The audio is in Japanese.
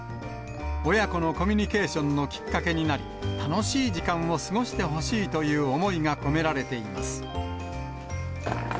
親子のコミュニケーションのきっかけになり、楽しい時間を過ごしてほしいという思いが込められています。